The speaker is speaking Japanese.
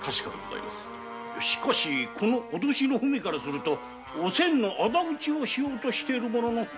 しかしこの脅しの文からするとおせんの仇討ちをしようとしている者の仕業かと。